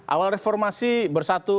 awal reformasi bersatu